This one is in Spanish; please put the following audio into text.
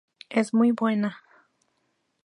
Es muy buena.